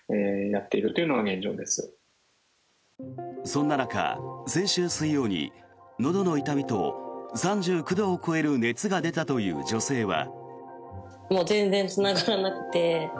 そんな中、先週水曜にのどの痛みと３９度を超える熱が出たという女性は。